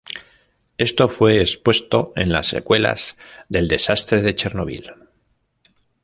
Esto fue expuesto en las secuelas del desastre de Chernóbil.